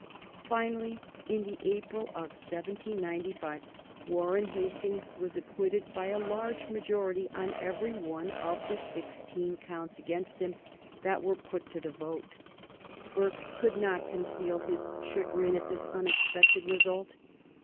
Finally, in the April of 1795, Warren Hastings was acquitted by a large majority on every one of the sixteen counts against him that were put to the vote. Burke could not conceal his chagrin at this unexpected result.